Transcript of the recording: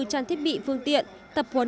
tràn thiết bị phương tiện tập huấn